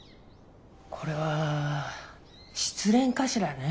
これは失恋かしらね。